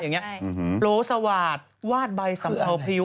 อย่างนี้โลสวรรค์วาดใบสำเภาพิว